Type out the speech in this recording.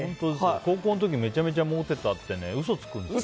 高校の時めちゃめちゃモテてたって嘘つくんですよ。